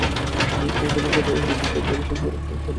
একই বছর রোডেশিয়া দল শেষবারের মতো অংশ নেয়।